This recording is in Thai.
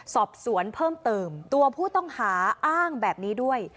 สอบสวนเพิ่มเติมตัวผู้ต้องหาอ้างแบบนี้ด้วย